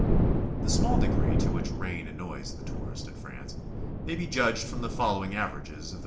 The small degree to which rain annoys the tourist in France may be judged from the following averages of the BICYCLE TOURING.